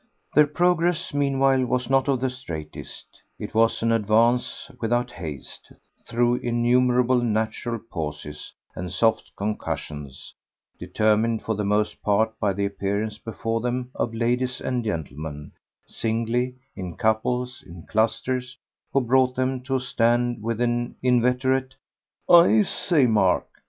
Their progress meanwhile was not of the straightest; it was an advance, without haste, through innumerable natural pauses and soft concussions, determined for the most part by the appearance before them of ladies and gentlemen, singly, in couples, in clusters, who brought them to a stand with an inveterate "I say, Mark."